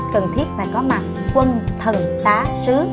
cần thiết phải có mặt quân thần tá sứ